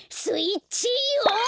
スイッチオ！